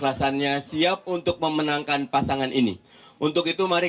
dan pak matsoi guliman